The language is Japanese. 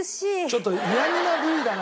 ちょっと嫌みなＶだな。